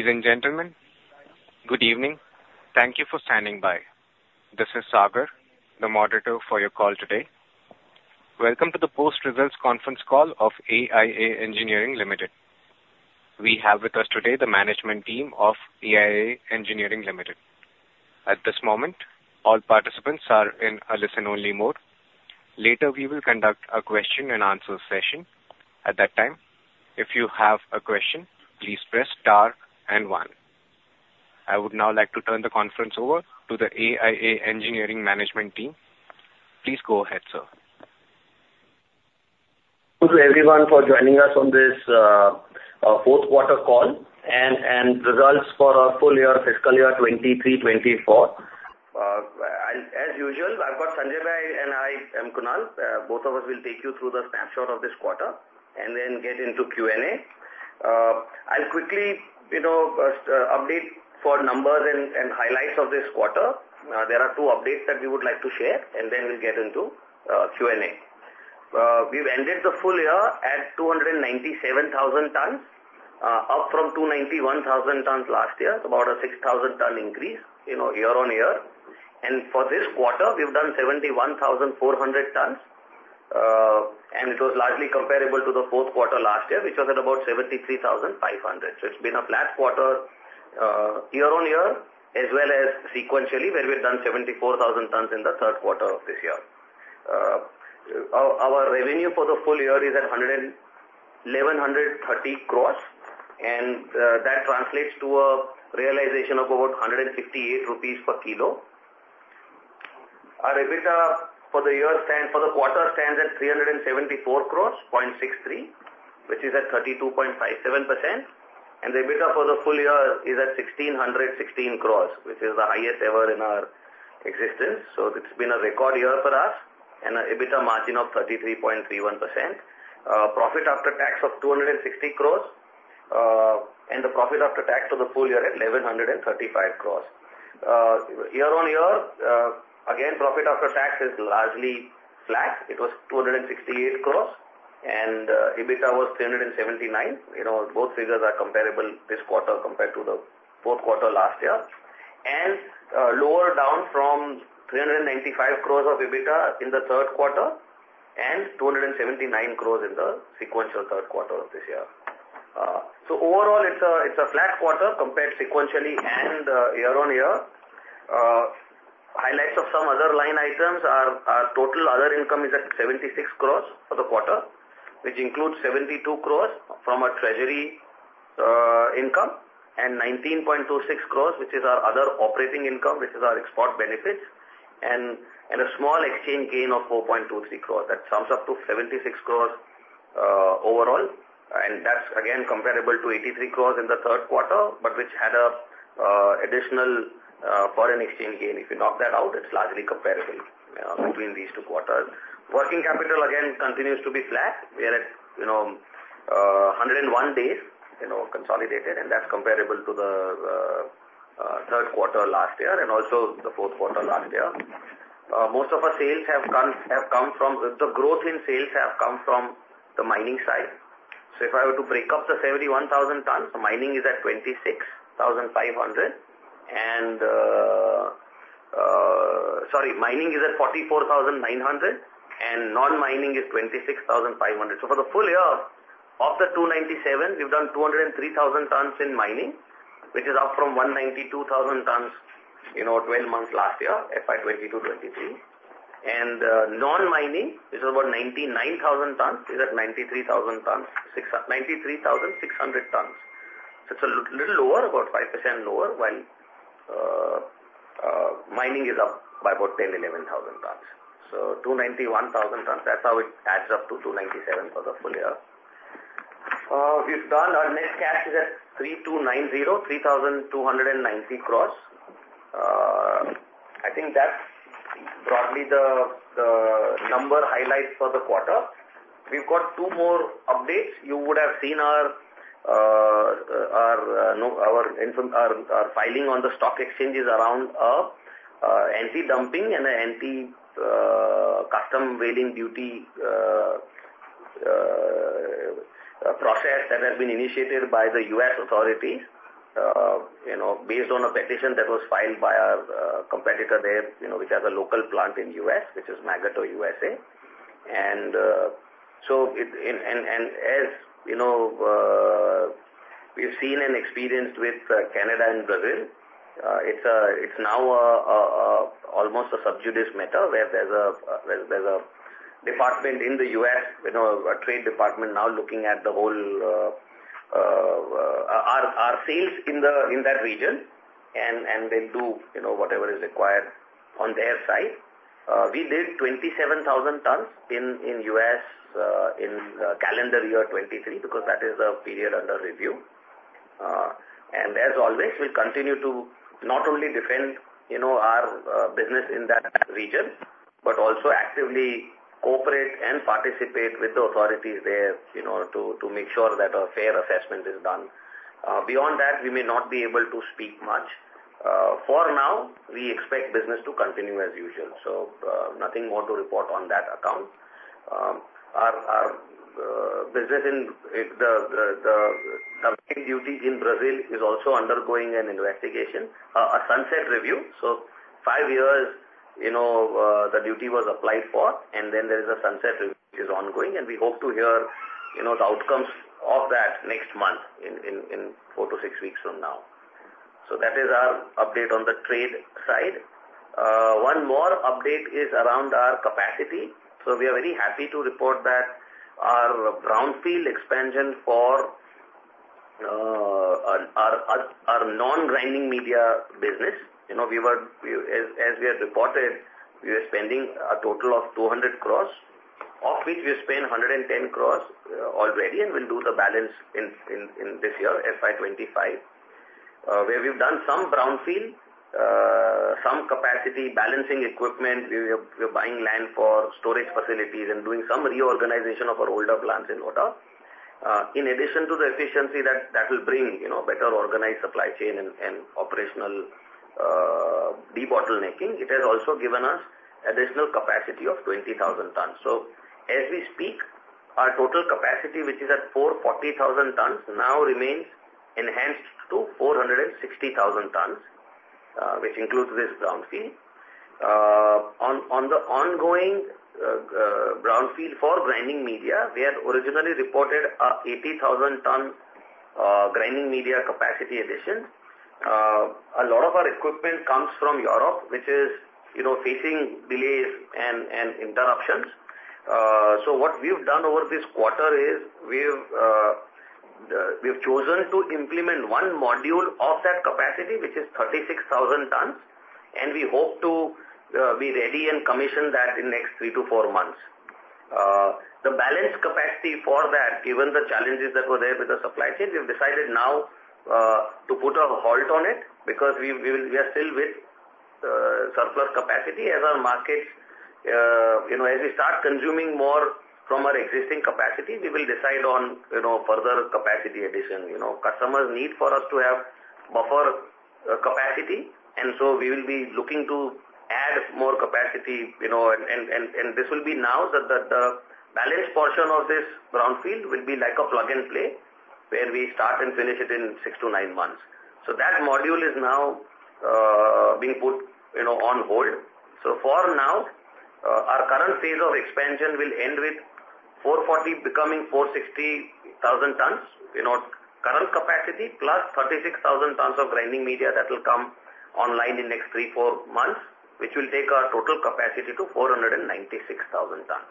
Ladies and gentlemen, good evening. Thank you for standing by. This is Sagar, the moderator for your call today. Welcome to the post-results conference call of AIA Engineering Limited. We have with us today the management team of AIA Engineering Limited. At this moment, all participants are in a listen-only mode. Later, we will conduct a question-and-answer session. At that time, if you have a question, please press star and one. I would now like to turn the conference over to the AIA Engineering management team. Please go ahead, sir.... Thank you everyone for joining us on this, fourth quarter call and results for our full-year, fiscal year 2023-2024. As usual, I've got Sanjay and I am Kunal. Both of us will take you through the snapshot of this quarter and then get into Q&A. I'll quickly, you know, just update for numbers and highlights of this quarter. There are two updates that we would like to share, and then we'll get into Q&A. We've ended the full-year at 297,000 tons, up from 291,000 tons last year, about a 6,000-ton increase, you know, year-on-year. And for this quarter, we've done 71,400 tons, and it was largely comparable to the fourth quarter last year, which was at about 73,500. It's been a flat quarter, year-on-year, as well as sequentially, where we've done 74,000 tons in the third quarter of this year. Our revenue for the full-year is at 1,130 crores, and that translates to a realization of about 158 rupees per kilo. Our EBITDA for the quarter stands at 374.63 crores, which is at 32.57%. The EBITDA for the full-year is at 1,616 crores, which is the highest ever in our existence. It's been a record year for us and a EBITDA margin of 33.31%. Profit after tax of 260 crores, and the profit after tax for the full-year at 1,135 crores. Year-on-year, again, profit after tax is largely flat. It was 268 crores, and EBITDA was 379 crores. You know, both figures are comparable this quarter compared to the fourth quarter last year, and lower down from 395 crores of EBITDA in the third quarter and 279 crores in the sequential third quarter of this year. So overall, it's a flat quarter compared sequentially and year-on-year. Highlights of some other line items are, our total other income is at 76 crores for the quarter, which includes 72 crores from our treasury income, and 19.26 crores, which is our other operating income, which is our export benefits, and a small exchange gain of 4.23 crores. That sums up to 76 crore, overall, and that's again comparable to 83 crore in the third quarter, but which had a additional foreign exchange gain. If you knock that out, it's largely comparable between these two quarters. Working capital again continues to be flat. We are at, you know, 101 days, you know, consolidated, and that's comparable to the third quarter last year and also the fourth quarter last year. Most of our sales have come, have come from... The growth in sales have come from the mining side. So if I were to break up the 71,000 tons, mining is at 26,500, and, sorry, mining is at 44,900, and non-mining is 26,500. So for the full-year, of the 297, we've done 203,000 tons in mining, which is up from 192,000 tons, you know, twelve months last year, FY 2022-2023. And non-mining is over 99,000 tons, is at 93,600 tons. So it's a little lower, about 5% lower, while mining is up by about 10,000-11,000 tons. So 291,000 tons, that's how it adds up to 297 for the full-year. We've done our net cash is at 3,290 crores. I think that's broadly the number highlights for the quarter. We've got two more updates. You would have seen our filing on the stock exchanges around anti-dumping and countervailing duty process that has been initiated by the U.S. authorities, you know, based on a petition that was filed by our competitor there, you know, which has a local plant in U.S., which is Magotteaux USA. So as you know, we've seen and experienced with Canada and Brazil, it's now almost a sub judice matter, where there's a department in the U.S., you know, a trade department now looking at our sales in that region, and they do, you know, whatever is required on their side. We did 27,000 tons in U.S. in the calendar year 2023, because that is the period under review. And as always, we continue to not only defend, you know, our business in that region, but also actively cooperate and participate with the authorities there, you know, to make sure that a fair assessment is done. Beyond that, we may not be able to speak much. For now, we expect business to continue as usual, so nothing more to report on that account... our business in the duties in Brazil is also undergoing an investigation, a sunset review. So five years, you know, the duty was applied for, and then there is a sunset review which is ongoing, and we hope to hear, you know, the outcomes of that next month in four to six weeks from now. So that is our update on the trade side. One more update is around our capacity. So we are very happy to report that our brownfield expansion for our non-grinding media business, you know, as we had reported, we are spending a total of 200 crore, of which we spent 110 crore already, and we'll do the balance in this year, FY 2025. Where we've done some brownfield, some capacity balancing equipment. We're buying land for storage facilities and doing some reorganization of our older plants in Odhav. In addition to the efficiency that that will bring, you know, better organized supply chain and and operational debottlenecking, it has also given us additional capacity of 20,000 tons. So as we speak, our total capacity, which is at 440,000 tons, now remains enhanced to 460,000 tons, which includes this brownfield. On the ongoing brownfield for grinding media, we had originally reported 80,000 ton grinding media capacity addition. A lot of our equipment comes from Europe, which is, you know, facing delays and and interruptions. So what we've done over this quarter is we've we've chosen to implement one module of that capacity, which is 36,000 tons, and we hope to be ready and commission that in the next three to four months. The balance capacity for that, given the challenges that were there with the supply chain, we've decided now to put a halt on it because we are still with surplus capacity. As our markets, you know, as we start consuming more from our existing capacity, we will decide on, you know, further capacity addition. You know, customers need for us to have buffer capacity, and so we will be looking to add more capacity, you know, and this will be now the balance portion of this brownfield will be like a plug-and-play, where we start and finish it in six to nine months. So that module is now being put, you know, on hold. So for now, our current phase of expansion will end with 440,000 becoming 460,000 tons. You know, current capacity plus 36,000 tons of grinding media that will come online in the next three, four months, which will take our total capacity to 496,000 tons.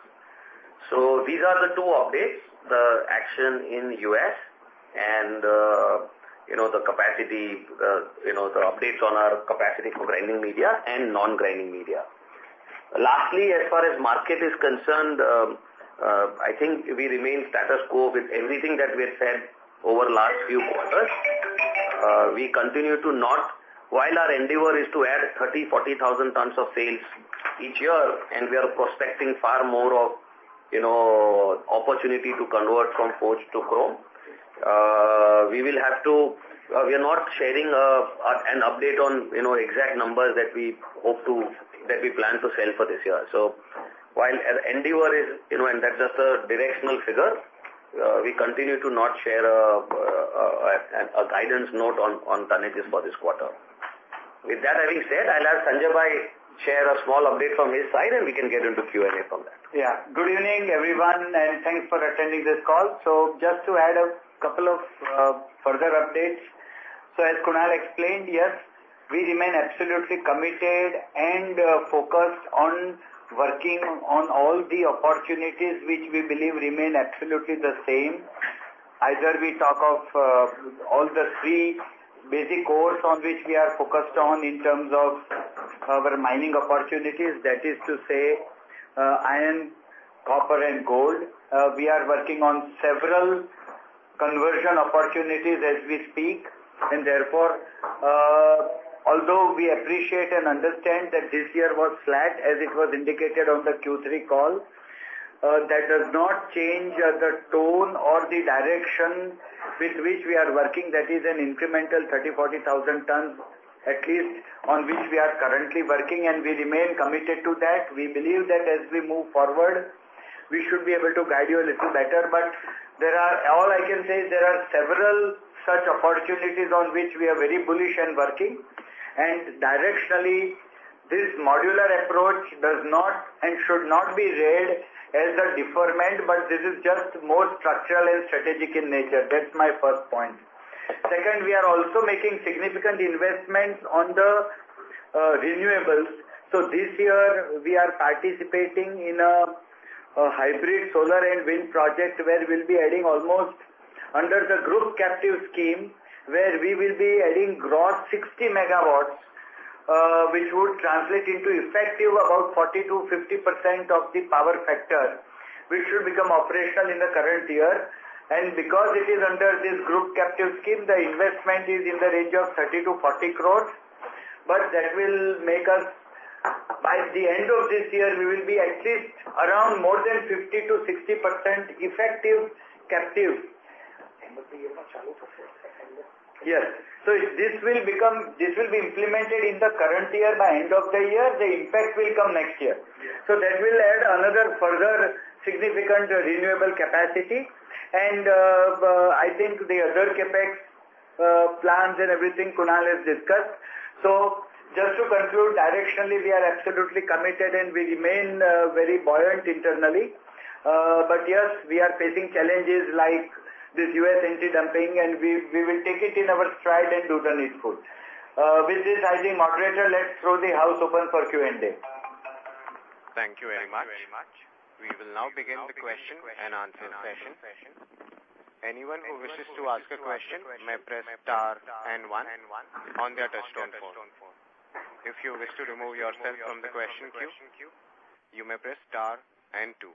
So these are the two updates, the action in U.S. and, you know, the capacity, you know, the updates on our capacity for grinding media and non-grinding media. Lastly, as far as market is concerned, I think we remain status quo with everything that we have said over the last few quarters. We continue to not... While our endeavor is to add 30,000-40,000 tons of sales each year, and we are prospecting far more of, you know, opportunity to convert from forged to chrome, we will have to, we are not sharing, an update on, you know, exact numbers that we plan to sell for this year. So while our endeavor is, you know, and that's just a directional figure, we continue to not share, a guidance note on, on tonnages for this quarter. With that having said, I'll ask Sanjay Bhai share a small update from his side, and we can get into Q&A from there. Yeah. Good evening, everyone, and thanks for attending this call. So just to add a couple of further updates. So as Kunal explained, yes, we remain absolutely committed and focused on working on all the opportunities which we believe remain absolutely the same. Either we talk of all the three basic cores on which we are focused on in terms of our mining opportunities, that is to say, iron, copper, and gold. We are working on several conversion opportunities as we speak, and therefore, although we appreciate and understand that this year was flat, as it was indicated on the Q3 call, that does not change the tone or the direction with which we are working. That is an incremental 30,000-40,000 tons, at least on which we are currently working, and we remain committed to that. We believe that as we move forward, we should be able to guide you a little better, but there are... All I can say is there are several such opportunities on which we are very bullish and working. And directionally, this modular approach does not and should not be read as a deferment, but this is just more structural and strategic in nature. That's my first point. Second, we are also making significant investments on the renewables. So this year, we are participating in a hybrid solar and wind project, where we'll be adding almost under the group captive scheme, where we will be adding gross 60 MW, which would translate into effective about 40%-50% of the power factor, which should become operational in the current year. Because it is under this group captive scheme, the investment is in the range of 30 crores-40 crores, but that will make us, by the end of this year, we will be at least around more than 50%-60% effective captive. Yes. So this will become, this will be implemented in the current year, by end of the year, the impact will come next year. So that will add another further significant renewable capacity. And, I think the other CapEx plans and everything, Kunal has discussed. So just to conclude, directionally, we are absolutely committed, and we remain very buoyant internally. But yes, we are facing challenges like this U.S. anti-dumping, and we will take it in our stride and do the needful. With this, I think, moderator, let's throw the house open for Q&A. Thank you very much. We will now begin the question and answer session. Anyone who wishes to ask a question may press star and one on their touchtone phone. If you wish to remove yourself from the question queue, you may press star and two.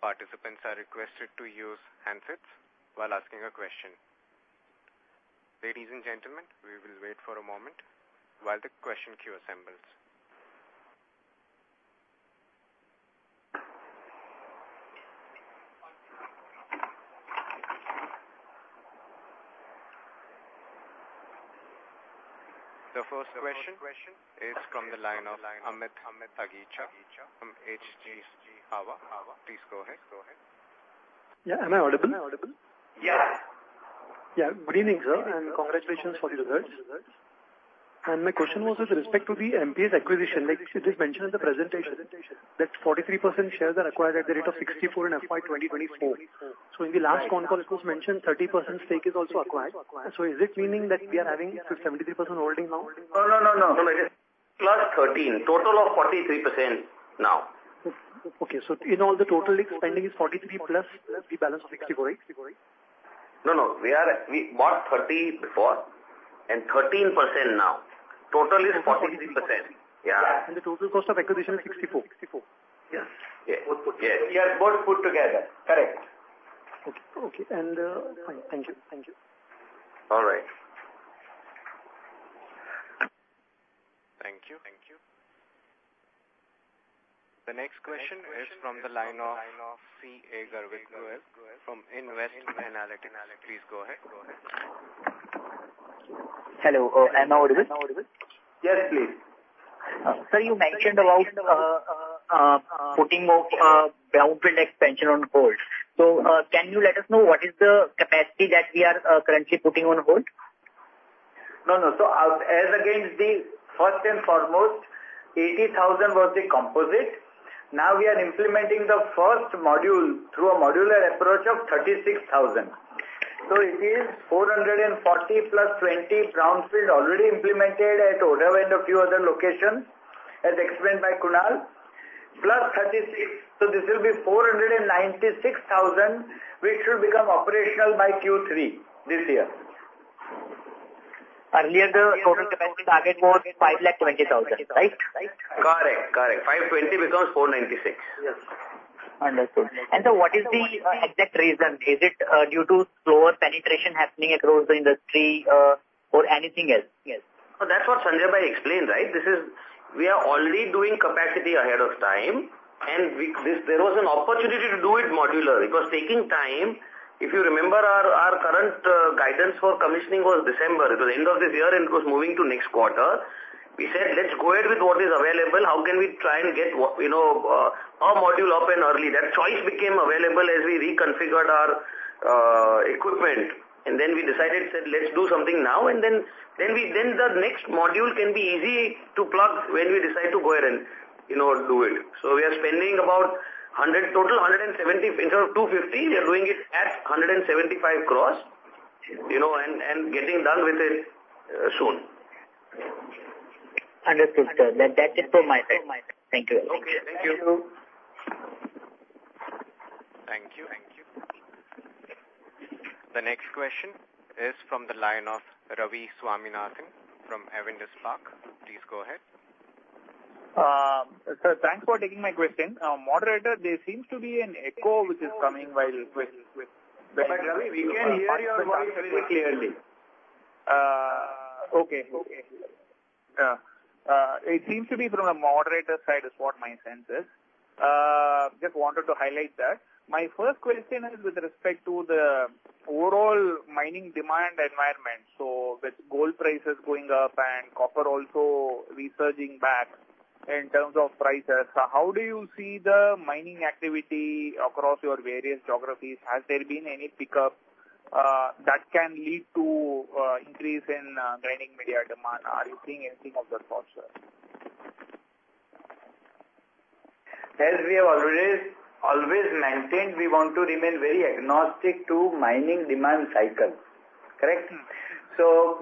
Participants are requested to use handsets while asking a question. Ladies and gentlemen, we will wait for a moment while the question queue assembles. The first question is from the line of Amit Agicha from HG Hawa. Please go ahead. Yeah. Am I audible? Yes. Yeah. Good evening, sir, and congratulations for the results. My question was with respect to the MPS acquisition. Like it is mentioned in the presentation, that 43% shares are acquired at the rate of 64 in FY 2024. In the last con call, it was mentioned 30% stake is also acquired. Is it meaning that we are having 73% holding now? No, no, no, no. It is +13, total of 43% now. Okay, so in all, the total spending is 43 plus the balance of 64, right? No, no. We bought 30 before and 13% now. Total is 43%. Yeah. The total cost of acquisition, 64. Yes. Yeah. Yes, we are both put together. Correct. Okay, okay. And, fine. Thank you. Thank you. All right. Thank you. The next question is from the line of CA Garvit Goyal from Nvest Analytics. Please go ahead. Hello. Am I audible? Yes, please. Sir, you mentioned about putting off brownfield expansion on hold. So, can you let us know what is the capacity that we are currently putting on hold? No, no. So as against the first and foremost, 80,000 was the composite. Now we are implementing the first module through a modular approach of 36,000. So it is 440+20 brownfield already implemented at Odhav and a few other locations, as explained by Kunal, plus 36. So this will be 496,000, which should become operational by Q3 this year. Earlier, the total capacity target was 520,000, right? Correct, correct. 520 becomes 496. Understood. And so what is the exact reason? Is it due to slower penetration happening across the industry, or anything else? Yes. So that's what Sanjay Bhai explained, right? This is... We are already doing capacity ahead of time, and this, there was an opportunity to do it modular. It was taking time. If you remember, our current guidance for commissioning was December. It was end of this year, and it was moving to next quarter. We said, "Let's go ahead with what is available. How can we try and get, you know, our module up and early?" That choice became available as we reconfigured our equipment, and then we decided, said, "Let's do something now, and then, then the next module can be easy to plug when we decide to go ahead and, you know, do it." So we are spending about 100, total 170, instead of 250, we are doing it at 175 crores, you know, and getting done with it soon. Understood, sir. That, that's it from my side. Thank you. Okay, thank you. Thank you. The next question is from the line of Ravi Swaminathan from Avendus Spark. Please go ahead. Sir, thanks for taking my question. Moderator, there seems to be an echo which is coming while you question. We can hear you very clearly. Okay. Okay. Yeah. It seems to be from the moderator side is what my sense is. Just wanted to highlight that. My first question is with respect to the overall mining demand environment. So with gold prices going up and copper also resurging back in terms of prices, how do you see the mining activity across your various geographies? Has there been any pickup that can lead to increase in grinding media demand? Are you seeing anything of that sort, sir? As we have always, always maintained, we want to remain very agnostic to mining demand cycle. Correct? Mm-hmm. Yeah. So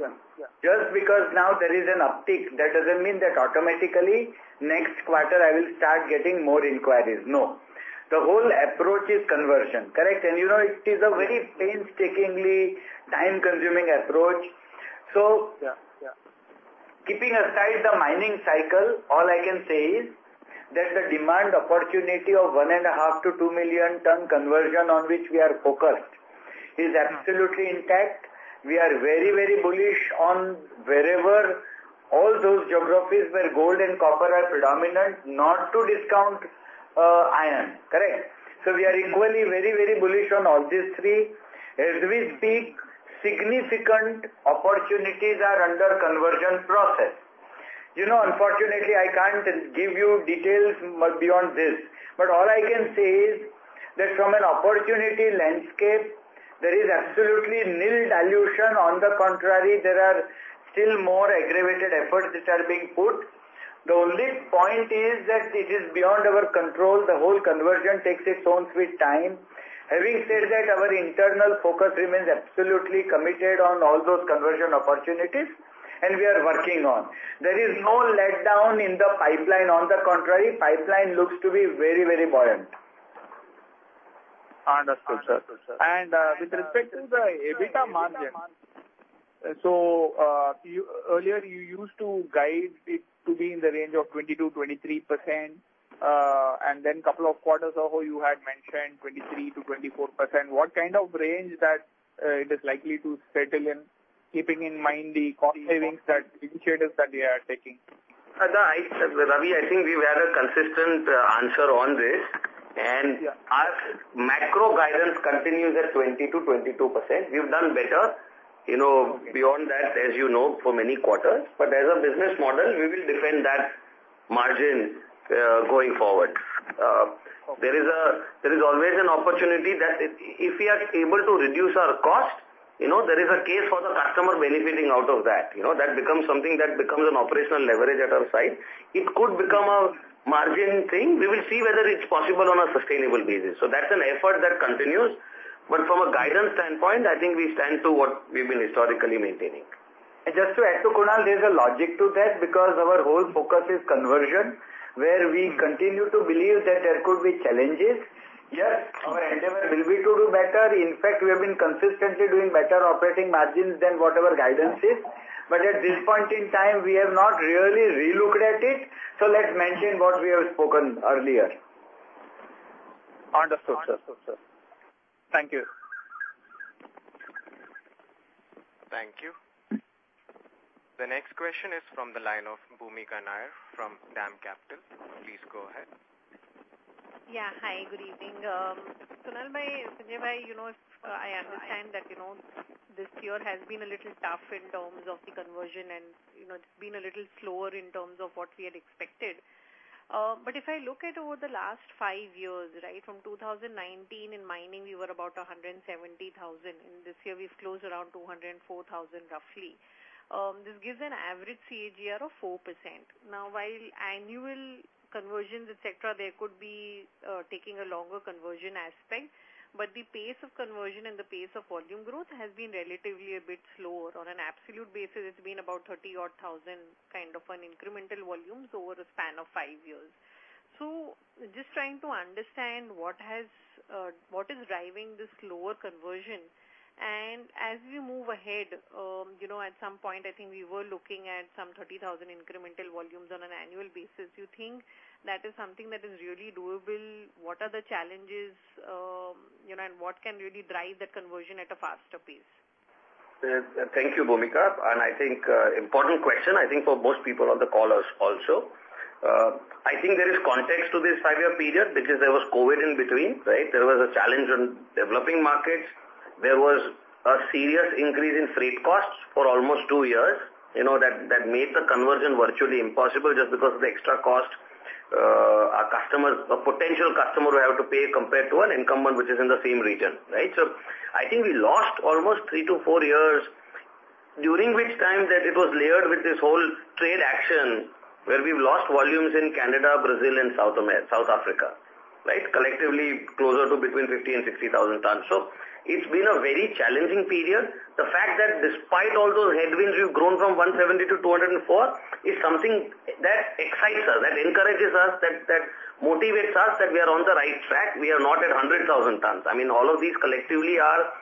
just because now there is an uptick, that doesn't mean that automatically next quarter I will start getting more inquiries. No. The whole approach is conversion. Correct? And, you know, it is a very painstakingly time-consuming approach. Yeah, yeah. Keeping aside the mining cycle, all I can say is that the demand opportunity of 1.5 million-2 million ton conversion on which we are focused is absolutely intact. We are very, very bullish on wherever-... all those geographies where gold and copper are predominant, not to discount iron. Correct? So we are equally very, very bullish on all these three. As we speak, significant opportunities are under conversion process. You know, unfortunately, I can't give you details beyond this, but all I can say is that from an opportunity landscape, there is absolutely nil dilution. On the contrary, there are still more aggravated efforts that are being put. The only point is that it is beyond our control. The whole conversion takes its own sweet time. Having said that, our internal focus remains absolutely committed on all those conversion opportunities, and we are working on. There is no letdown in the pipeline. On the contrary, pipeline looks to be very, very buoyant. Understood, sir. And with respect to the EBITDA margin, so, you-- earlier, you used to guide it to be in the range of 22%-23%, and then couple of quarters ago, you had mentioned 23%-24%. What kind of range that, it is likely to settle in, keeping in mind the cost savings, that initiatives that we are taking? Ravi, I think we've had a consistent answer on this, and- Yeah. Our macro guidance continues at 20%-22%. We've done better, you know, beyond that, as you know, for many quarters. But as a business model, we will defend that margin going forward. There is always an opportunity that if we are able to reduce our cost, you know, there is a case for the customer benefiting out of that. You know, that becomes something that becomes an operational leverage at our side. It could become a margin thing. We will see whether it's possible on a sustainable basis. So that's an effort that continues. But from a guidance standpoint, I think we stand to what we've been historically maintaining. And just to add to Kunal, there's a logic to that, because our whole focus is conversion, where we continue to believe that there could be challenges. Yes, our endeavor will be to do better. In fact, we have been consistently doing better operating margins than what our guidance is. But at this point in time, we have not really relooked at it. So let's mention what we have spoken earlier. Understood, sir. Thank you. Thank you. The next question is from the line of Bhoomika Nair, from DAM Capital. Please go ahead. Yeah. Hi, good evening. Kunal Bhai, Sanjay Bhai, you know, I understand that, you know, this year has been a little tough in terms of the conversion, and, you know, it's been a little slower in terms of what we had expected. But if I look at over the last five years, right? From 2019, in mining, we were about 170,000. In this year, we've closed around 204,000, roughly. This gives an average CAGR of 4%. Now, while annual conversions, et cetera, there could be, taking a longer conversion aspect, but the pace of conversion and the pace of volume growth has been relatively a bit slower. On an absolute basis, it's been about 30-odd thousand, kind of an incremental volumes over a span of five years. So just trying to understand what has, what is driving this lower conversion. And as we move ahead, you know, at some point, I think we were looking at some 30,000 incremental volumes on an annual basis. You think that is something that is really doable? What are the challenges, you know, and what can really drive the conversion at a faster pace? Thank you, Bhoomika, and I think, important question, I think for most people on the callers also. I think there is context to this five-year period because there was COVID in between, right? There was a challenge on developing markets. There was a serious increase in freight costs for almost two years. You know, that made the conversion virtually impossible just because of the extra cost, our customer, a potential customer, would have to pay compared to an incumbent, which is in the same region, right? So I think we lost almost three to four years, during which time that it was layered with this whole trade action, where we've lost volumes in Canada, Brazil, and South Africa, right? Collectively, closer to between 50,000 and 60,000 tons. So it's been a very challenging period. The fact that despite all those headwinds, we've grown from 170 to 204, is something that excites us, that encourages us, that, that motivates us, that we are on the right track. We are not at 100,000 tons. I mean, all of these collectively are,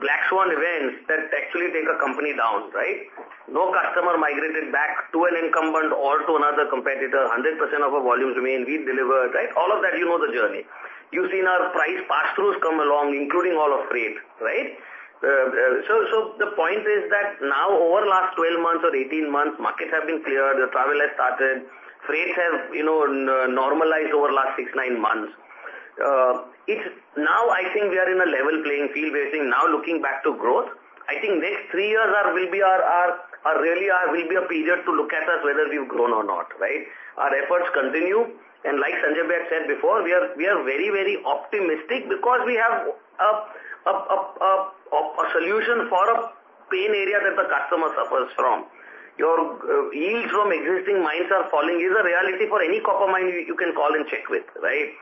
black swan events that actually take a company down, right? No customer migrated back to an incumbent or to another competitor. 100% of our volumes remain. We've delivered, right? All of that, you know the journey. You've seen our price pass-throughs come along, including all of freight, right? So, so the point is that now, over the last 12 months or 18 months, markets have been cleared, the travel has started, freights have, you know, normalized over the last six to nine months. It's now, I think we are in a level playing field. We are thinking now looking back to growth. I think next three years will be a period to look at us, whether we've grown or not, right? Our efforts continue, and like Sanjay Bhai said before, we are very, very optimistic because we have a solution for a pain area that the customer suffers from. Yields from existing mines are falling, is a reality for any copper mine you can call and check with, right?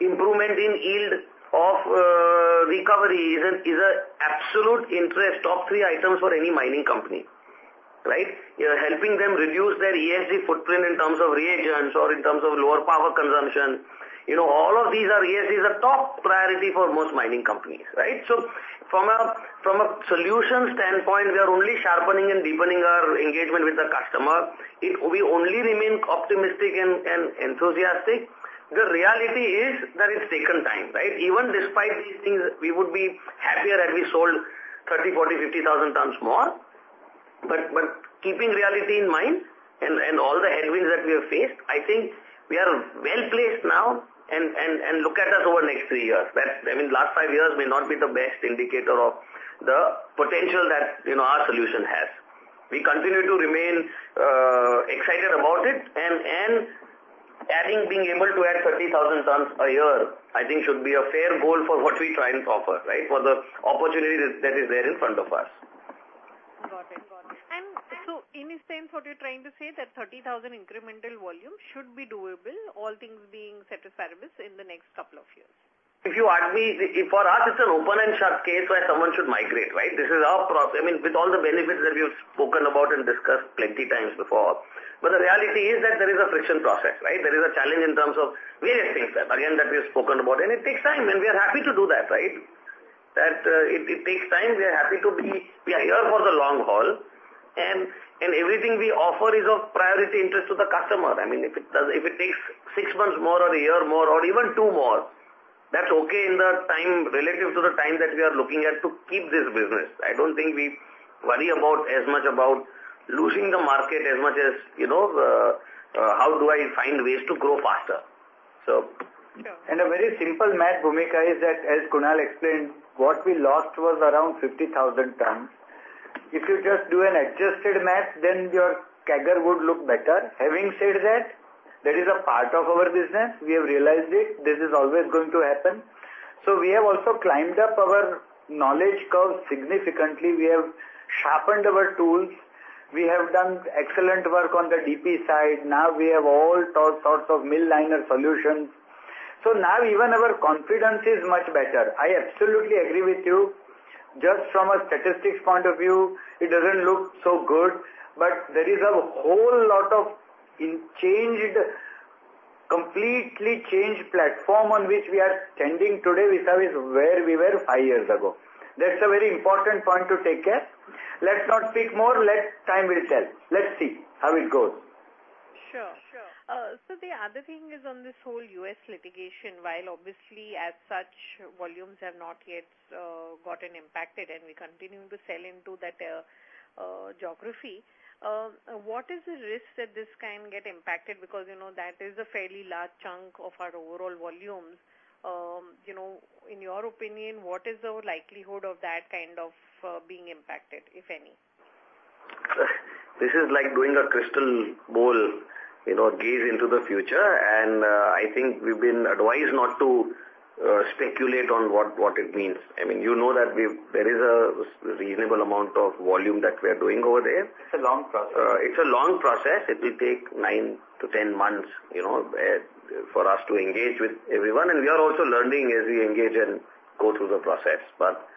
Improvement in yield of recovery is an absolute interest, top three items for any mining company, right? You're helping them reduce their ESG footprint in terms of reagents or in terms of lower power consumption. You know, all of these are ESGs top priority for most mining companies, right? So from a solution standpoint, we are only sharpening and deepening our engagement with the customer. We only remain optimistic and enthusiastic. The reality is that it's taken time, right? Even despite these things, we would be happier that we sold 30,000, 40,000, 50,000 tons more. But keeping reality in mind and look at us over the next three years. That, I mean, last five years may not be the best indicator of the potential that, you know, our solution has. We continue to remain excited about it, and adding, being able to add 30,000 tons a year, I think should be a fair goal for what we try and offer, right? For the opportunity that is there in front of us. Got it, got it. And so in a sense, what you're trying to say that 30,000 incremental volume should be doable, all things being ceteris paribus, in the next couple of years? If you ask me, for us, it's an open and shut case where someone should migrate, right? This is our—I mean, with all the benefits that we've spoken about and discussed plenty times before. But the reality is that there is a friction process, right? There is a challenge in terms of various things that, again, that we've spoken about, and it takes time, and we are happy to do that, right? That, it takes time. We are happy to be... We are here for the long haul, and everything we offer is of priority interest to the customer. I mean, if it does, if it takes six months more or a year more or even two more, that's okay in the time, relative to the time that we are looking at to keep this business. I don't think we worry about, as much about losing the market as much as, you know, how do I find ways to grow faster? So- A very simple math, Bhoomika, is that, as Kunal explained, what we lost was around 50,000 tons. If you just do an adjusted math, then your CAGR would look better. Having said that, that is a part of our business. We have realized it. This is always going to happen. So we have also climbed up our knowledge curve significantly. We have sharpened our tools. We have done excellent work on the IP side. Now, we have all sorts of mill liner solutions. So now even our confidence is much better. I absolutely agree with you. Just from a statistics point of view, it doesn't look so good, but there is a whole lot of changed, completely changed platform on which we are standing today vis-à-vis where we were five years ago. That's a very important point to take care. Let's not speak more, let time will tell. Let's see how it goes. Sure. Sure. So the other thing is on this whole U.S. litigation, while obviously as such, volumes have not yet gotten impacted, and we continue to sell into that geography, what is the risk that this can get impacted? Because, you know, that is a fairly large chunk of our overall volumes. You know, in your opinion, what is the likelihood of that kind of being impacted, if any? This is like doing a crystal ball, you know, gaze into the future, and, I think we've been advised not to, speculate on what, what it means. I mean, you know that we've-- there is a reasonable amount of volume that we are doing over there. It's a long process. It's a long process. It will take nine to 10 months, you know, for us to engage with everyone, and we are also learning as we engage and go through the process. But,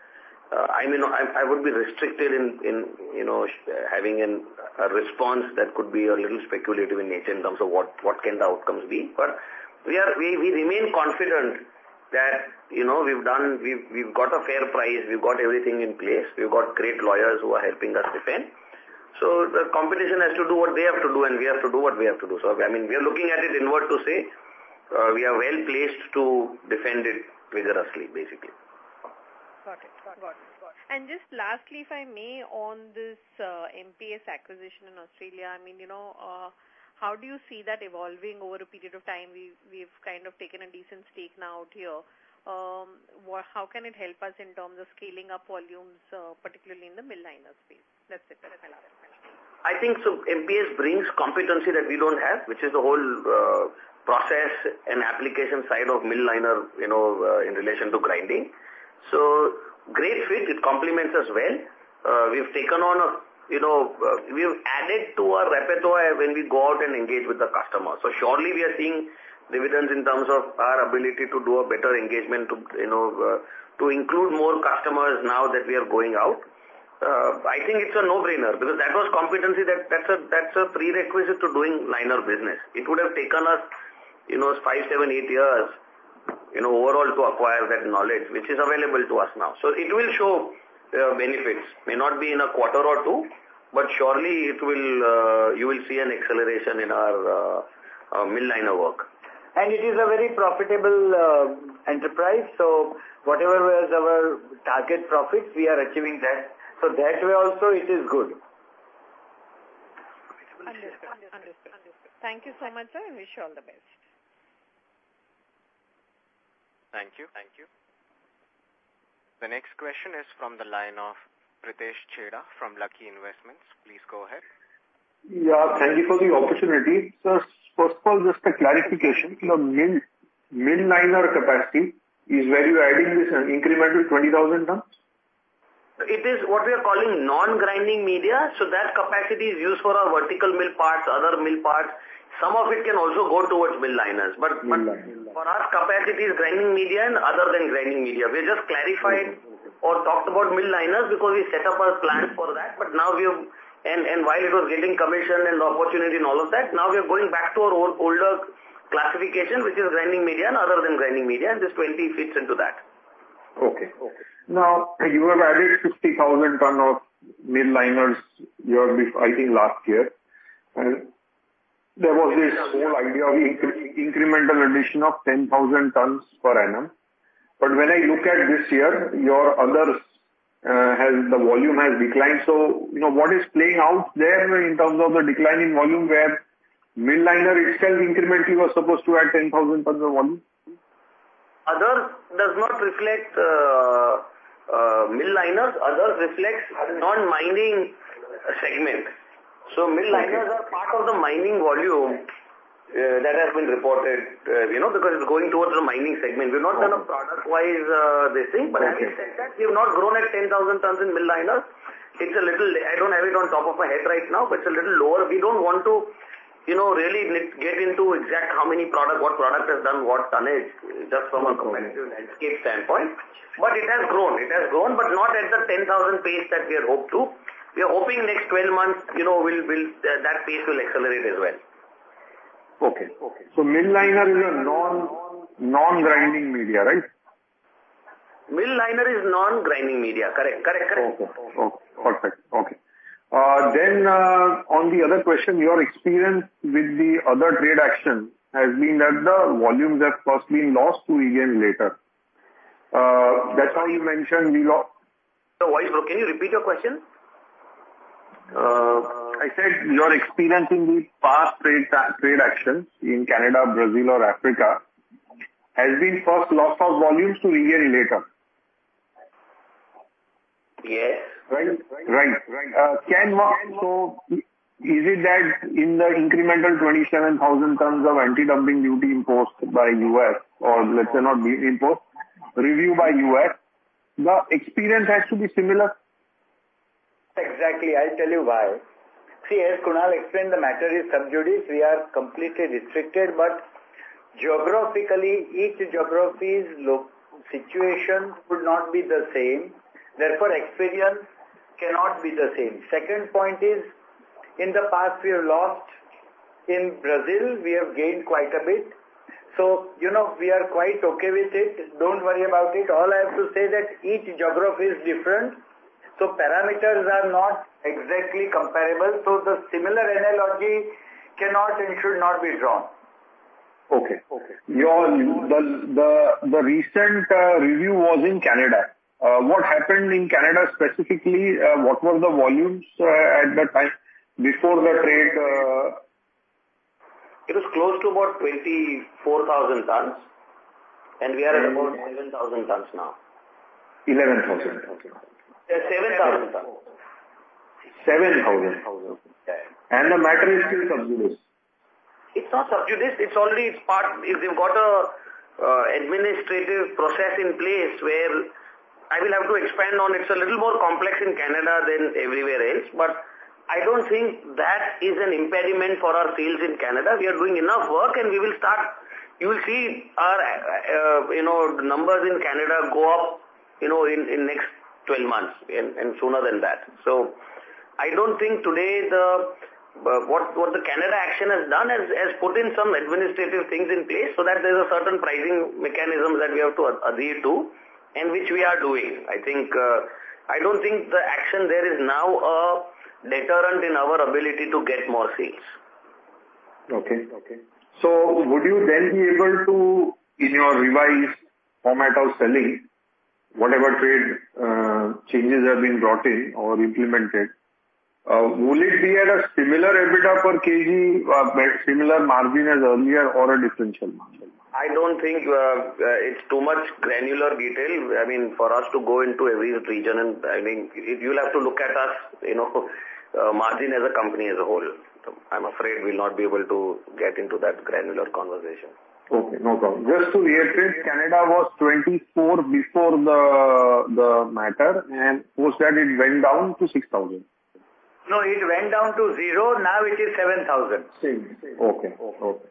I mean, I would be restricted in you know, having a response that could be a little speculative in nature in terms of what can the outcomes be. But we remain confident that, you know, we've done. We've got a fair price, we've got everything in place, we've got great lawyers who are helping us defend. So the competition has to do what they have to do, and we have to do what we have to do. So, I mean, we are well-placed to defend it vigorously, basically. Got it. Got it. And just lastly, if I may, on this, MPS acquisition in Australia, I mean, you know, how do you see that evolving over a period of time? We've kind of taken a decent stake now out here. How can it help us in terms of scaling up volumes, particularly in the mill liner space? That's it. I think so MPS brings competency that we don't have, which is the whole, process and application side of mill liner, you know, in relation to grinding. So great fit, it complements us well. We've taken on a, you know, we've added to our repertoire when we go out and engage with the customer. So surely, we are seeing dividends in terms of our ability to do a better engagement to, you know, to include more customers now that we are going out. I think it's a no-brainer, because that was competency, that's a prerequisite to doing liner business. It would have taken us, you know, five, seven, eight years, you know, overall, to acquire that knowledge, which is available to us now. So it will show benefits. May not be in a quarter or two, but surely it will, you will see an acceleration in our mill liner work. It is a very profitable enterprise, so whatever was our target profits, we are achieving that. That way also, it is good. Understood. Understood. Thank you so much, sir, and wish you all the best. Thank you. Thank you. The next question is from the line of Pritesh Chheda from Lucky Investment Managers. Please go ahead. Yeah, thank you for the opportunity. So first of all, just a clarification. Your mill, mill liner capacity is where you're adding this incremental 20,000 tons? It is what we are calling non-grinding media, so that capacity is used for our vertical mill parts, other mill parts. Some of it can also go towards mill liners. Mill liners. But for us, capacity is grinding media and other than grinding media. We just clarified- Mm-hmm, mm-hmm. or talked about mill liners because we set up our plant for that. But now we have... And while it was getting commission and the opportunity and all of that, now we are going back to our old, older classification, which is grinding media and other than grinding media, and this 20 fits into that.... Okay. Now, you have added 60,000 tons of mill liners, I think last year, and there was this whole idea of incremental addition of 10,000 tons per annum. But when I look at this year, your others, the volume has declined. So, you know, what is playing out there in terms of the declining volume, where mill liner itself incrementally was supposed to add 10,000 tons of volume? Others does not reflect, mill liners. Others reflects non-mining segment. So mill liners are part of the mining volume, that has been reported, you know, because it's going towards the mining segment. We're not kind of product-wise, this thing, but you've not grown at 10,000 tons in mill liner. It's a little, I don't have it on top of my head right now, but it's a little lower. We don't want to, you know, really get into exact how many product, what product has done, what tonnage, just from a competitive standpoint. But it has grown. It has grown, but not at the 10,000 pace that we had hoped to. We are hoping next 12 months, you know, we'll, that pace will accelerate as well. Okay. So mill liner is a non-grinding media, right? Mill liner is non-grinding media. Correct, correct, correct. Okay. Oh, perfect. Okay. Then, on the other question, your experience with the other trade action has been that the volumes that first being lost to a year later. That's why you mentioned we got- Voice broke. Can you repeat your question? I said, your experience in the past trade, trade actions in Canada, Brazil, or Africa, has been first loss of volumes to a year later. Yes. Right. Right. Can work, so is it that in the incremental 27,000 tons of anti-dumping duty imposed by U.S., or let's say, not be imposed, reviewed by U.S., the experience has to be similar? Exactly. I'll tell you why. See, as Kunal explained, the matter is sub judice. We are completely restricted, but geographically, each geography's situation would not be the same, therefore, experience cannot be the same. Second point is, in the past, we have lost. In Brazil, we have gained quite a bit. So you know, we are quite okay with it. Don't worry about it. All I have to say that each geography is different, so parameters are not exactly comparable, so the similar analogy cannot and should not be drawn. Okay. Okay. The recent review was in Canada. What happened in Canada, specifically, what were the volumes at that time before the trade...? It was close to about 24,000 tons, and we are at about 7,000 tons now. 11,000? 7,000 tons. 7,000. Yeah. The matter is still sub judice. It's not sub judice. It's only part... We've got a administrative process in place where I will have to expand on. It's a little more complex in Canada than everywhere else, but I don't think that is an impediment for our sales in Canada. We are doing enough work, and we will start... You will see our, you know, numbers in Canada go up, you know, in, in next 12 months and, and sooner than that. So I don't think today the, what, what the Canada action has done is, is put in some administrative things in place so that there's a certain pricing mechanism that we have to adhere to, and which we are doing. I think, I don't think the action there is now a deterrent in our ability to get more sales. Okay. Okay. So would you then be able to, in your revised format of selling, whatever trade changes have been brought in or implemented, will it be at a similar EBITDA per kg, or similar margin as earlier or a differential margin? I don't think it's too much granular detail. I mean, for us to go into every region, and, I mean, you'll have to look at us, you know, margin as a company as a whole. I'm afraid we'll not be able to get into that granular conversation. Okay, no problem. Just to iterate, Canada was 24 before the matter, and post that it went down to 6,000. No, it went down to zero. Now, it is 7,000. Same. Okay. Okay.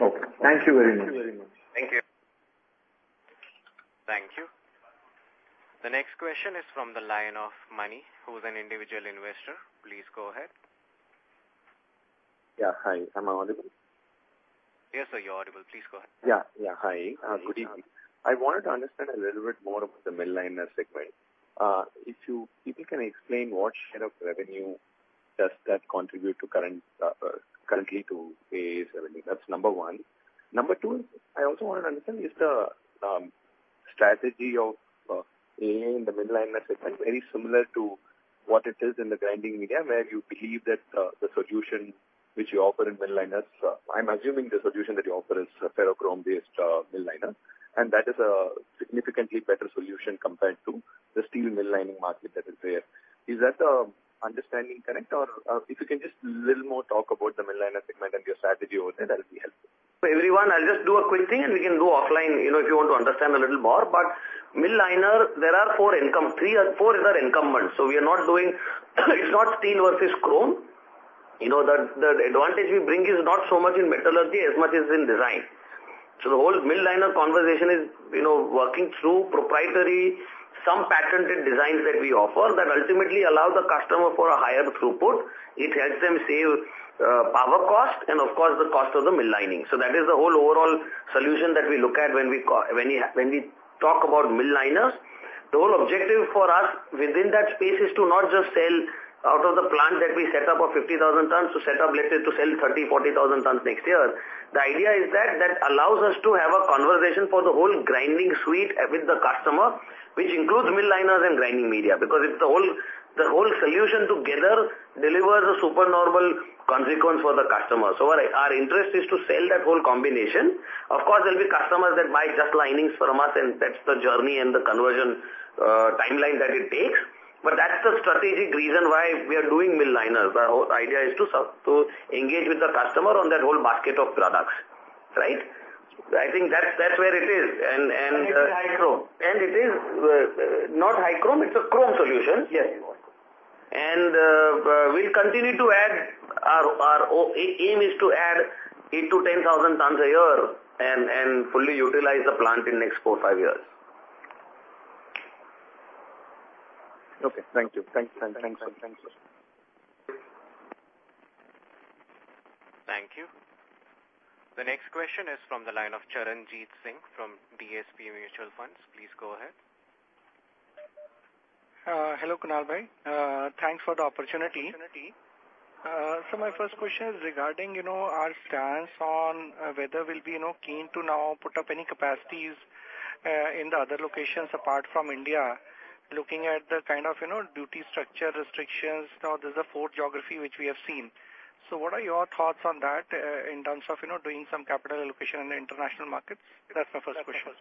Okay. Thank you very much. Thank you. Thank you. The next question is from the line of Mani, who is an individual investor. Please go ahead. Yeah, hi. Am I audible? Yes, sir, you're audible. Please go ahead. Yeah. Yeah, hi. Good evening. I wanted to understand a little bit more about the mill liner segment. If you can explain what share of revenue does that contribute currently to AIA or anything. That's number one. Number two, I also want to understand, is the strategy of AIA in the mill liner segment very similar to what it is in the grinding media, where you believe that the solution which you offer in mill liners, I'm assuming the solution that you offer is ferrochrome-based mill liner, and that is a significantly better solution compared to the steel mill lining market that is there. Is that understanding correct? Or, if you can just talk a little more about the mill liner segment and your strategy over there, that'll be helpful. So everyone, I'll just do a quick thing, and we can go offline, you know, if you want to understand a little more, but mill liner, there are four incumbent, three or four other incumbents, so we are not doing. It's not steel versus chrome. You know, the advantage we bring is not so much in metallurgy as much as in design. So the whole mill liner conversation is, you know, working through proprietary, some patented designs that we offer, that ultimately allow the customer for a higher throughput. It helps them save power cost and, of course, the cost of the mill lining. So that is the whole overall solution that we look at when we talk about mill liners. The whole objective for us within that space is to not just sell out of the plant that we set up for 50,000 tons, to set up, let's say, to sell 30,000-40,000 tons next year. The idea is that, that allows us to have a conversation for the whole grinding suite with the customer, which includes mill liners and grinding media, because it's the whole, the whole solution together delivers a supernormal consequence for the customer. So our, our interest is to sell that whole combination. Of course, there'll be customers that buy just linings from us, and that's the journey and the conversion timeline that it takes. But that's the strategic reason why we are doing mill liners. The whole idea is to engage with the customer on that whole basket of products, right? I think that's, that's where it is. And, and, uh- It is high chrome. It is not high chrome, it's a chrome solution. Yes. We'll continue to add... Our aim is to add 8,000-10,000 tons a year and fully utilize the plant in the next four-five years. Okay, thank you. Thank you. Thank you, sir. Thank you. The next question is from the line of Charanjit Singh from DSP Mutual Fund. Please go ahead. Hello, Kunal Bhai. Thanks for the opportunity. So my first question is regarding, you know, our stance on whether we'll be, you know, keen to now put up any capacities in the other locations apart from India, looking at the kind of, you know, duty structure restrictions. Now, there's a fourth geography, which we have seen. So what are your thoughts on that in terms of, you know, doing some capital allocation in the international markets? That's my first question.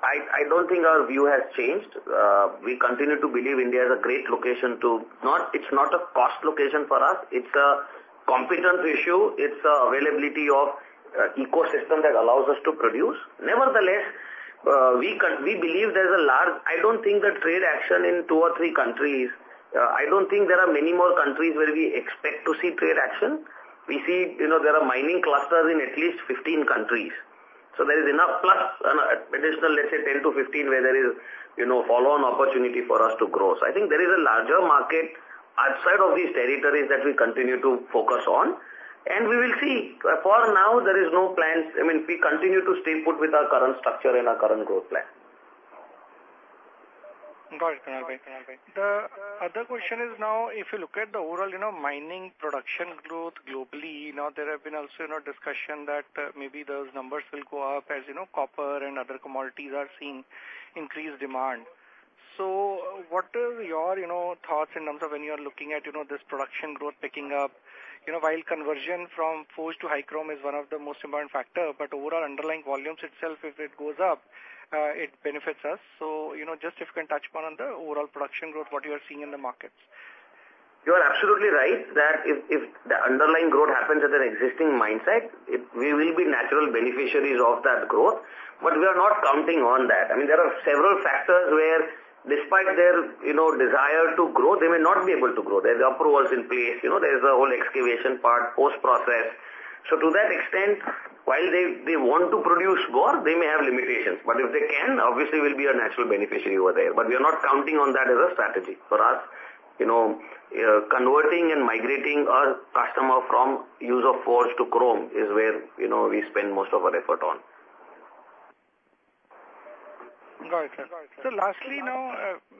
I don't think our view has changed. We continue to believe India is a great location. It's not a cost location for us, it's a competence issue, it's the availability of an ecosystem that allows us to produce. Nevertheless, we believe there's a large. I don't think that trade action in two or three countries, I don't think there are many more countries where we expect to see trade action. We see, you know, there are mining clusters in at least 15 countries, so there is enough, plus an additional, let's say, 10-15, where there is, you know, follow-on opportunity for us to grow. So I think there is a larger market outside of these territories that we continue to focus on, and we will see. For now, there is no plans. I mean, we continue to stay put with our current structure and our current growth plan. Got it, Kunal Bhai. The other question is, now, if you look at the overall, you know, mining production growth globally, now, there have been also, you know, discussion that maybe those numbers will go up as, you know, copper and other commodities are seeing increased demand. So what are your, you know, thoughts in terms of when you are looking at, you know, this production growth picking up? You know, while conversion from forged to high chrome is one of the most important factor, but overall underlying volumes itself, if it goes up, it benefits us. So, you know, just if you can touch upon on the overall production growth, what you are seeing in the markets. You are absolutely right, that if the underlying growth happens at an existing mine site, we will be natural beneficiaries of that growth, but we are not counting on that. I mean, there are several factors where despite their, you know, desire to grow, they may not be able to grow. There's approvals in place, you know, there's the whole excavation part, post-process. So to that extent, while they want to produce more, they may have limitations, but if they can, obviously we'll be a natural beneficiary over there. But we are not counting on that as a strategy. For us, you know, converting and migrating our customer from using forged to chrome is where, you know, we spend most of our effort on. Got it, sir. So lastly, now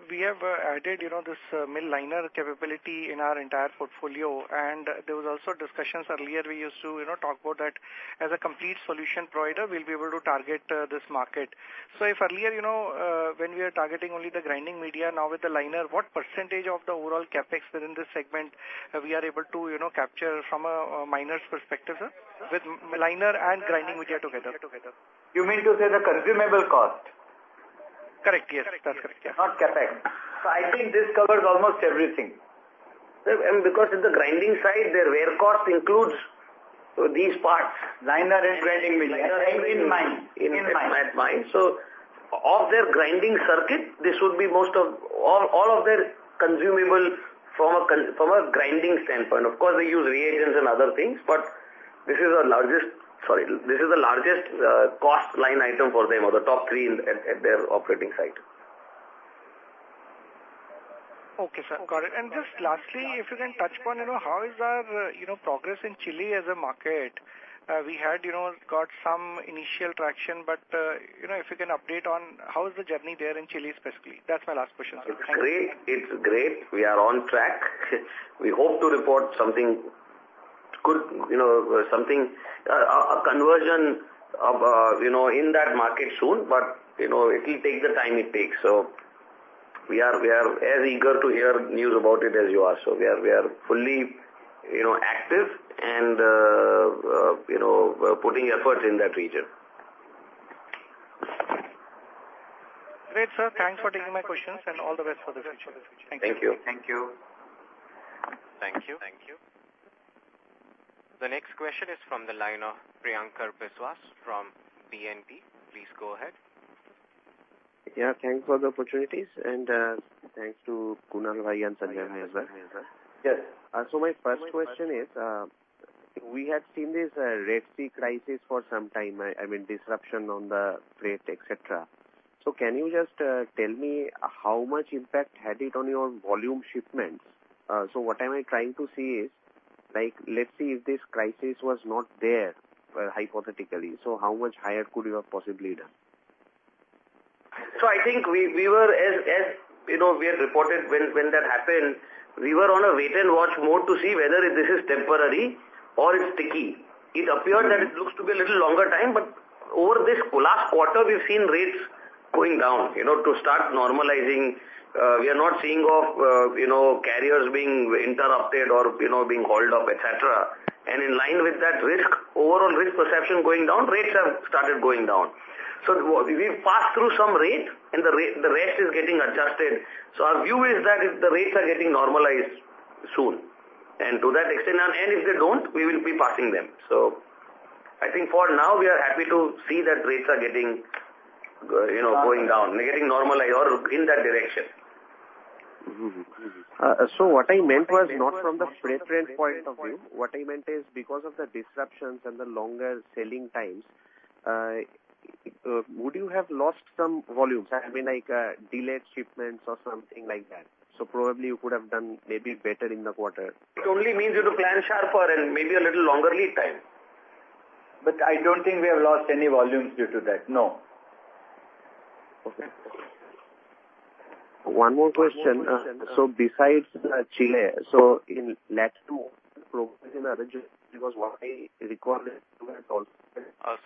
we have added, you know, this mill liner capability in our entire portfolio, and there was also discussions earlier. We used to, you know, talk about that as a complete solution provider. We'll be able to target this market. So if earlier, you know, when we are targeting only the grinding media, now with the liner, what percentage of the overall CapEx within this segment are we able to, you know, capture from a miner's perspective, sir, with mill liner and grinding media together? You mean to say the consumable cost? Correct. Yes, that's correct. Not CapEx. So I think this covers almost everything. And because in the grinding side, their raw cost includes these parts, liner and grinding media- In mine. In mine. So of their grinding circuit, this would be most of... All of their consumable from a grinding standpoint. Of course, they use reagents and other things, but this is our largest. Sorry, this is the largest cost line item for them, or the top three at their operating site. Okay, sir. Got it. And just lastly, if you can touch upon, you know, how is our, you know, progress in Chile as a market? We had, you know, got some initial traction, but, you know, if you can update on how is the journey there in Chile specifically? That's my last question, sir. It's great. It's great. We are on track. We hope to report something good, you know, something, a conversion of, you know, in that market soon, but, you know, it will take the time it takes. So we are, we are as eager to hear news about it as you are. So we are, we are fully, you know, active and, putting effort in that region. Great, sir. Thanks for taking my questions, and all the best for this future. Thank you. Thank you. Thank you. The next question is from the line of Priyankar Biswas from BNP. Please go ahead. Yeah, thanks for the opportunities, and, thanks to Kunal Bhai and Sanjay as well. Yes. So my first question is. We have seen this Red Sea crisis for some time, I mean, disruption on the freight, et cetera. So can you just tell me how much impact had it on your volume shipments? So what am I trying to say is, like, let's say, if this crisis was not there, hypothetically, so how much higher could you have possibly done? So I think we were as you know, we had reported when that happened, we were on a wait and watch mode to see whether this is temporary or it's sticky. It appeared that it looks to be a little longer time, but over this last quarter, we've seen rates going down, you know, to start normalizing. We are not seeing of you know, carriers being interrupted or, you know, being hauled up, et cetera. And in line with that risk, overall risk perception going down, rates have started going down. So we've passed through some rates, and the rest is getting adjusted. So our view is that if the rates are getting normalized soon, and to that extent, and if they don't, we will be passing them. I think for now, we are happy to see that rates are getting, you know, going down, they're getting normalized or in that direction. Mm-hmm. So what I meant was not from the freight rate point of view. What I meant is because of the disruptions and the longer selling times, would you have lost some volumes? I mean, like, delayed shipments or something like that. So probably you could have done maybe better in the quarter. It only means you to plan sharper and maybe a little longer lead time. But I don't think we have lost any volumes due to that. No. Okay. One more question. So besides, Chile, so in LatAm, progress in other... Because what I require is-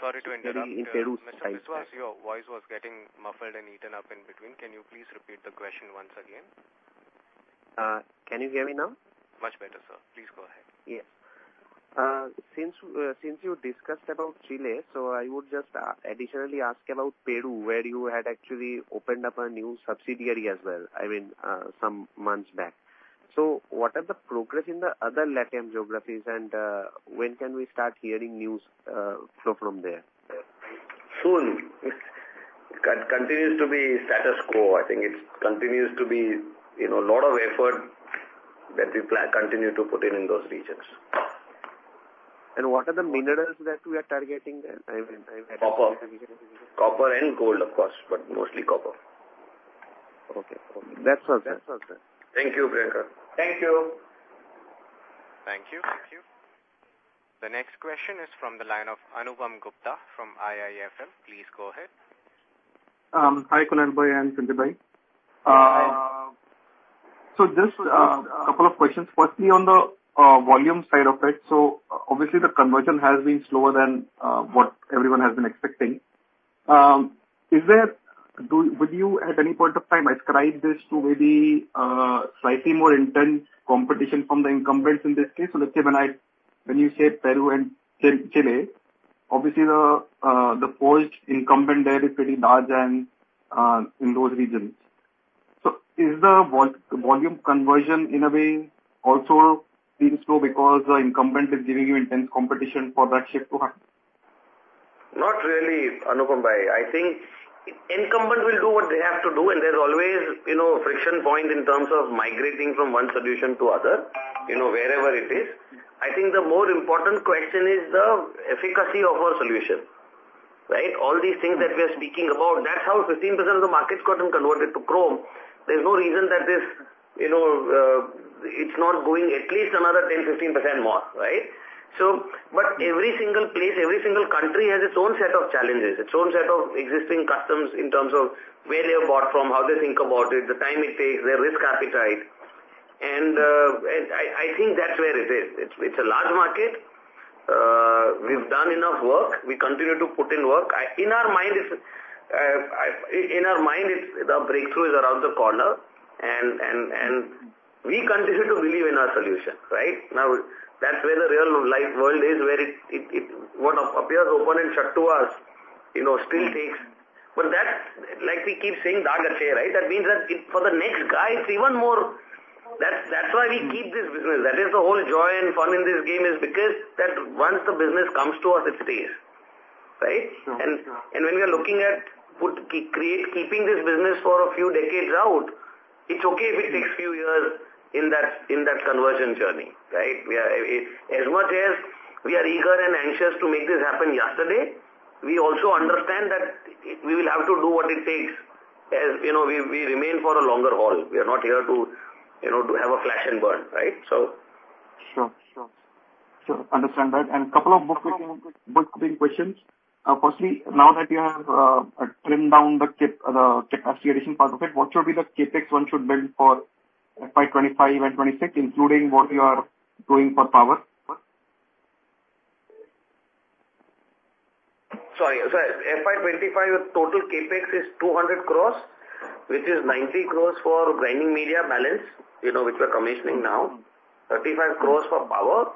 Sorry to interrupt, Mr. Biswas, your voice was getting muffled and eaten up in between. Can you please repeat the question once again? Can you hear me now? Much better, sir. Please go ahead. Yes. Since you discussed about Chile, so I would just additionally ask about Peru, where you had actually opened up a new subsidiary as well, I mean, some months back. So what are the progress in the other LatAm geographies, and when can we start hearing news, so from there? Soon. It continues to be status quo. I think it continues to be, you know, a lot of effort that we plan continue to put in, in those regions. What are the minerals that we are targeting there? I mean- Copper. Copper and gold, of course, but mostly copper. Okay. That's all, good. Thank you, Priyankar. Thank you. Thank you. The next question is from the line of Anupam Gupta from IIFL. Please go ahead. Hi, Kunal Bhai and Sanjay Bhai. So just a couple of questions. Firstly, on the volume side of it, so obviously the conversion has been slower than what everyone has been expecting. Do you, at any point of time, ascribe this to maybe slightly more intense competition from the incumbents in this case? So let's say when you say Peru and Chile, obviously the incumbent there is pretty large and in those regions. So is the volume conversion in a way also being slow because the incumbent is giving you intense competition for that shift to happen? Not really, Anupam Bhai. I think incumbents will do what they have to do, and there's always, you know, friction point in terms of migrating from one solution to other, you know, wherever it is. I think the more important question is the efficacy of our solution, right? All these things that we are speaking about, that's how 15% of the market has gotten converted to chrome. There's no reason that this, you know, it's not going at least another 10%, 15% more, right? So, but every single place, every single country has its own set of challenges, its own set of existing customs in terms of where they have bought from, how they think about it, the time it takes, their risk appetite. And, and I, I think that's where it is. It's, it's a large market. We've done enough work. We continue to put in work. In our mind, it's the breakthrough is around the corner, and we continue to believe in our solution, right? Now, that's where the real life world is, where what appears open and shut to us, you know, still takes. But that's like we keep saying, the inertia, right? That means that it, for the next guy, it's even more. That's why we keep this business. That is the whole joy and fun in this game is because that once the business comes to us, it stays, right? Sure. When we are looking at keeping this business for a few decades out, it's okay if it takes few years in that conversion journey, right? We are, as much as we are eager and anxious to make this happen yesterday, we also understand that we will have to do what it takes. As you know, we remain for a longer haul. We are not here to, you know, to have a flash and burn, right? So... Sure, sure. So understand that. And a couple of bookkeeping, bookkeeping questions. Firstly, now that you have trimmed down the cap, the capacity addition part of it, what should be the CapEx one should build for FY 2025 and 2026, including what you are doing for power? Sorry, so FY 2025, total CapEx is 200 crores, which is 90 crores for grinding media balance, you know, which we're commissioning now. Mm-hmm. 35 crores for power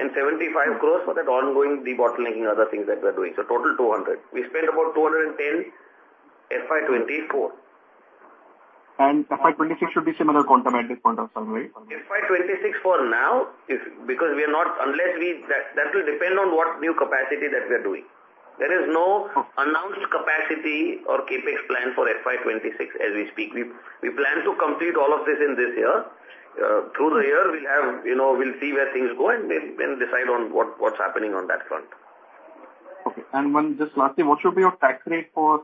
and 75 crores for that ongoing debottlenecking other things that we are doing. So total, 200 crores. We spent about 210 crores, FY 2024. FY 2026 should be similar quantum at this point of time, right? FY 2026 for now, if because we are not—unless we... That, that will depend on what new capacity that we are doing.... There is no announced capacity or CapEx plan for FY 2026 as we speak. We, we plan to complete all of this in this year. Through the year, we'll have, you know, we'll see where things go and then, then decide on what, what's happening on that front. Okay. And one just lastly, what should be your tax rate for